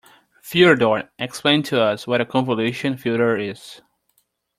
Theodore explained to us what a convolution filter is.